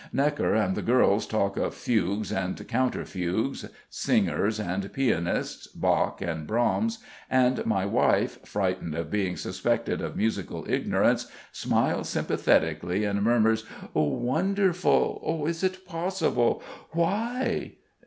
Gnekker and the girls talk of fugues and counter fugues; singers and pianists, Bach and Brahms, and my wife, frightened of being suspected of musical ignorance, smiles sympathetically and murmurs: "Wonderful.... Is it possible?... Why?..."